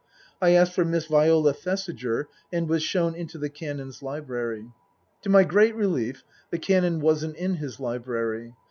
I asked for Miss Viola Thesiger and was shown into the Canon's library. To my great relief the Canon wasn't in his library.